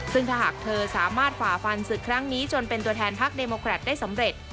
ซึ่งถ้าหากเธอสามารถฝ่าฟันศึกครั้งนี้จนเป็นตัวแทนพักเดโมแครตได้สำเร็จ